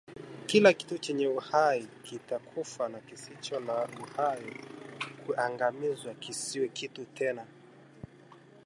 Kila kitu chenye uhai kitakufa na kisicho na uhai kuangamizwa kisiwe kitu tena